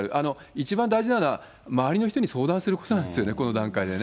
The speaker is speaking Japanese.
一番大事なのは、周りの人に相談することなんですよね、この段階でね。